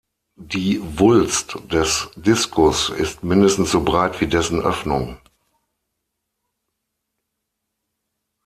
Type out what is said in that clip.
Die Wulst des Diskus ist mindestens so breit wie dessen Öffnung.